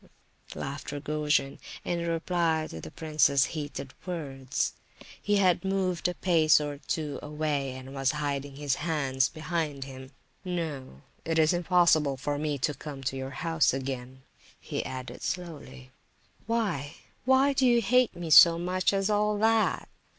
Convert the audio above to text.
laughed Rogojin, in reply to the prince's heated words. He had moved a pace or two away, and was hiding his hands behind him. "No, it is impossible for me to come to your house again," he added slowly. "Why? Do you hate me so much as all that?"